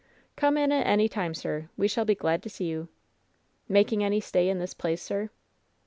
"Come in at any time, sir; we shall be glad to see you. Making any stay in this place, sir